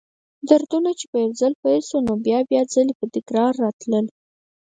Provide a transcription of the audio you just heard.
دردونه چې به یو ځل پیل شول، نو بیا بیا ځلې به تکراراً راتلل.